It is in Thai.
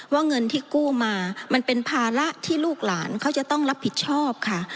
เงินที่กู้มามันเป็นภาระที่ลูกหลานเขาจะต้องรับผิดชอบค่ะ